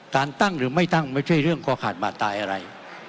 การตั้งหรือไม่ตั้งไม่ใช่เรื่องคอขาดบาดตายอะไร